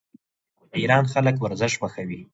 د ایران خلک ورزش خوښوي.